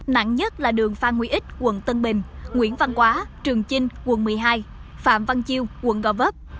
nặng nhất là đường phan nguyễn ích quận tân bình nguyễn văn quá trường chinh quận một mươi hai phạm văn chiêu quận gò vấp